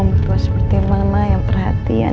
betul seperti mama yang perhatian